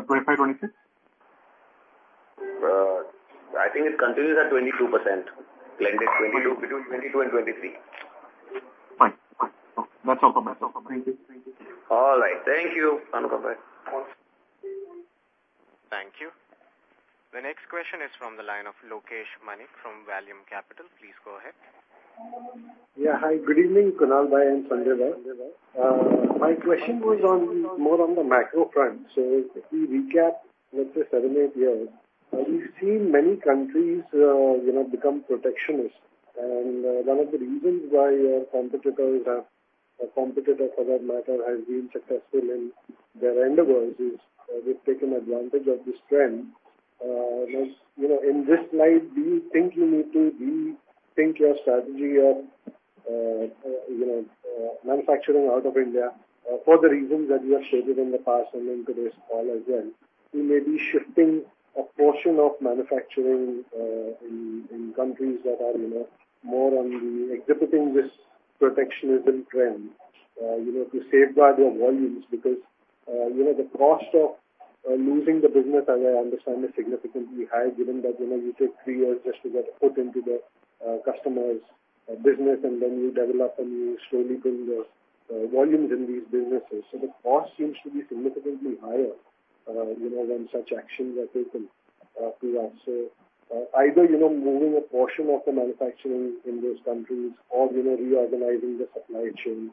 2025, 2026? I think it continues at 22%, blended 22%, between 22% and 23%. Fine. Okay. That's all for me. Thank you. All right. Thank you, Anupam Bhai. Thank you. The next question is from the line of Lokesh Manik from Vallum Capital. Please go ahead. Yeah. Hi, good evening, Kunal Bhai and Sanjay Bhai. My question was on, more on the macro front. So if we recap, let's say, seven, eight years, we've seen many countries, you know, become protectionist. And, one of the reasons why your competitors have, a competitor, for that matter, has been successful in their endeavors is they've taken advantage of this trend. You know, in this slide, do you think you need to rethink your strategy of, you know, manufacturing out of India for the reasons that you have stated in the past and then today as well again, you may be shifting a portion of manufacturing, in countries that are, you know, more on the exhibiting this protectionism trend, you know, to safeguard your volumes? Because, you know, the cost of losing the business, as I understand, is significantly high, given that, you know, you took three years just to get a foot into the customer's business, and then you develop, and you slowly build the volumes in these businesses. So the cost seems to be significantly higher, you know, when such actions are taken to us. So, either, you know, moving a portion of the manufacturing in those countries or, you know, reorganizing the supply chain,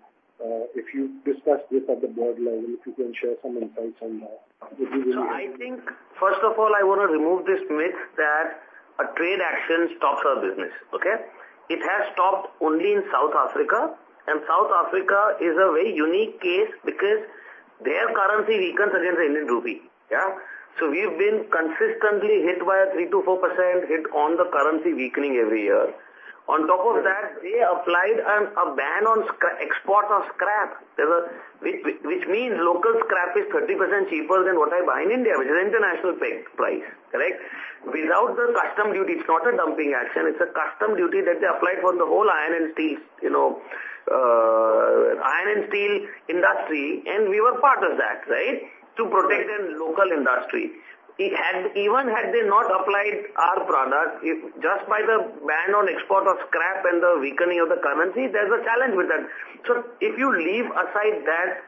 if you discuss this at the board level, if you can share some insights on that, it would be really- So I think, first of all, I want to remove this myth that a trade action stops our business, okay? It has stopped only in South Africa, and South Africa is a very unique case because their currency weakens against the Indian rupee. Yeah. So we've been consistently hit by a 3%-4% hit on the currency weakening every year. On top of that, they applied a ban on scrap export of scrap, which means local scrap is 30% cheaper than what I buy in India, which is international price, correct? Without the custom duty, it's not a dumping action, it's a custom duty that they applied for the whole iron and steel, you know, iron and steel industry, and we were part of that, right? To protect the local industry. It had, even had they not applied our product, if just by the ban on export of scrap and the weakening of the currency, there's a challenge with that. So if you leave aside that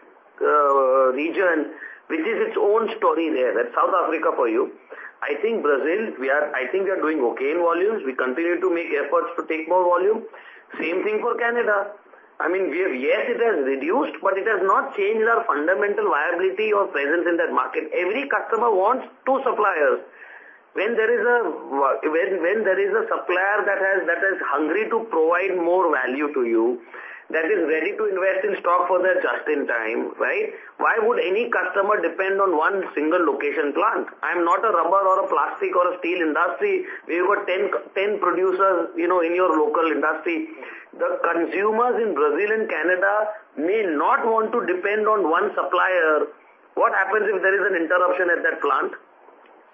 region, which is its own story there, that's South Africa for you. I think Brazil, we are—I think we are doing okay in volumes. We continue to make efforts to take more volume. Same thing for Canada. I mean, we have, yes, it has reduced, but it has not changed our fundamental viability or presence in that market. Every customer wants two suppliers. When there is a supplier that has, that is hungry to provide more value to you, that is ready to invest in stock for the just in time, right? Why would any customer depend on one single location plant? I'm not a rubber or a plastic or a steel industry, where you've got 10, 10 producers, you know, in your local industry. The consumers in Brazil and Canada may not want to depend on one supplier. What happens if there is an interruption at that plant?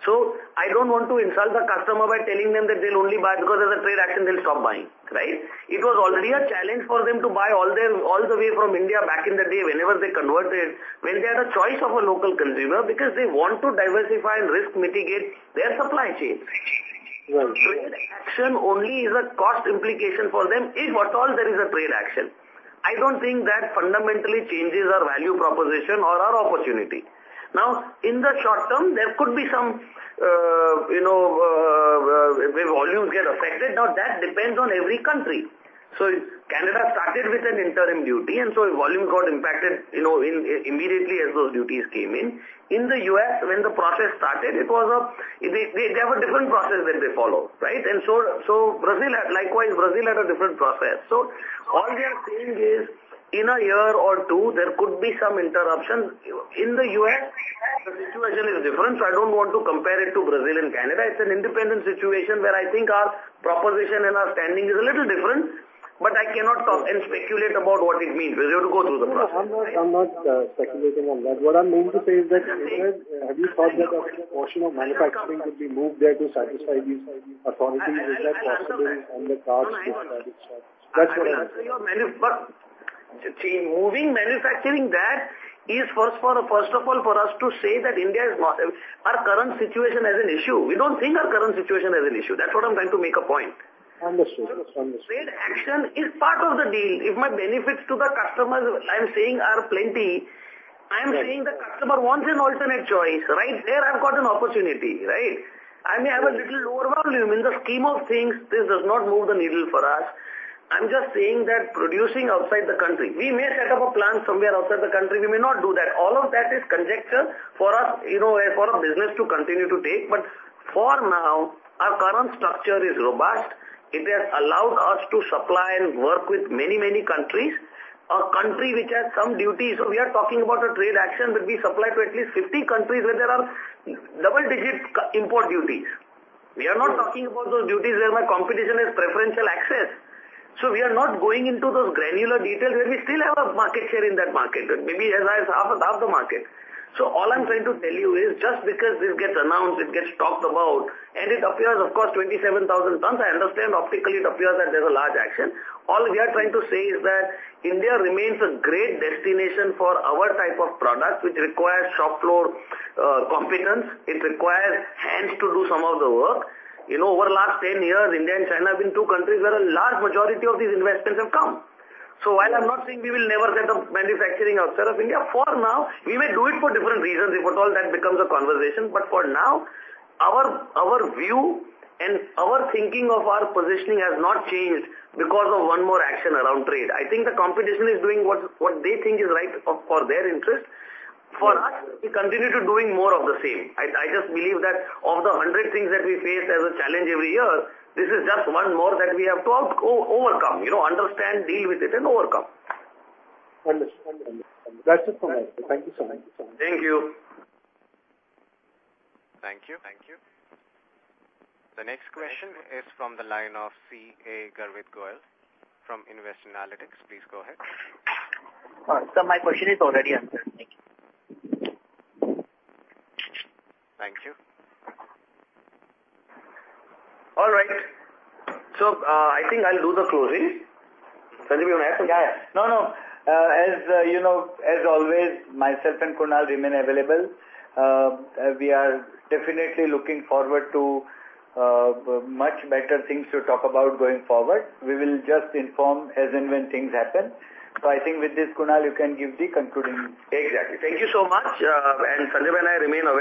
So I don't want to insult the customer by telling them that they'll only buy, because there's a trade action, they'll stop buying, right? It was already a challenge for them to buy all them, all the way from India back in the day, whenever they converted, when they had a choice of a local consumer, because they want to diversify and risk mitigate their supply chains. Well- Action only is a cost implication for them, if at all there is a trade action. I don't think that fundamentally changes our value proposition or our opportunity. Now, in the short term, there could be some, you know, where volumes get affected. Now, that depends on every country. So Canada started with an interim duty, and so volume got impacted, you know, immediately as those duties came in. In the U.S., when the process started, it was they, they have a different process than they follow, right? And so, Brazil had likewise, Brazil had a different process. So all we are saying is, in a year or two, there could be some interruption. In the U.S., the situation is different, so I don't want to compare it to Brazil and Canada. It's an independent situation where I think our proposition and our standing is a little different, but I cannot talk and speculate about what it means. We're going to go through the process. I'm not, I'm not, speculating on that. What I'm going to say is that, have you thought that a portion of manufacturing would be moved there to satisfy these authorities? Is that possible on the cards? See, moving manufacturing there is first of all for us to say that India is not our current situation as an issue. We don't think our current situation as an issue. That's what I'm trying to make a point. Understood. Understood. Trade action is part of the deal. If my benefits to the customers, I'm saying, are plenty, I'm saying the customer wants an alternate choice, right there I've got an opportunity, right? I may have a little lower volume. In the scheme of things, this does not move the needle for us. I'm just saying that producing outside the country, we may set up a plant somewhere outside the country, we may not do that. All of that is conjecture for us, you know, for our business to continue to take. But for now, our current structure is robust. It has allowed us to supply and work with many, many countries. A country which has some duties, we are talking about a trade action, but we supply to at least 50 countries where there are double-digit import duties.... We are not talking about those duties where my competition has preferential access. So we are not going into those granular details, where we still have a market share in that market, maybe as half, about the market. So all I'm trying to tell you is just because this gets announced, it gets talked about, and it appears, of course, 27,000 tons, I understand optically it appears that there's a large action. All we are trying to say is that India remains a great destination for our type of product, which requires shop floor competence. It requires hands to do some of the work. You know, over the last 10 years, India and China have been two countries where a large majority of these investments have come. So while I'm not saying we will never set up manufacturing outside of India, for now, we may do it for different reasons, because all that becomes a conversation. But for now, our view and our thinking of our positioning has not changed because of one more action around trade. I think the competition is doing what they think is right for their interest. For us, we continue to doing more of the same. I just believe that of the hundred things that we face as a challenge every year, this is just one more that we have to overcome, you know, understand, deal with it, and overcome. Understood. Understood. That's it for me. Thank you so much. Thank you. Thank you. Thank you. The next question is from the line of CA Garvit Goyal from Nvest Analytics. Please go ahead. Sir, my question is already answered. Thank you. All right. So, I think I'll do the closing. Sanjay, you want to add? Yeah. No, no. As you know, as always, myself and Kunal remain available. We are definitely looking forward to much better things to talk about going forward. We will just inform as and when things happen. So I think with this, Kunal, you can give the concluding. Exactly. Thank you so much. Sanjay and I remain available.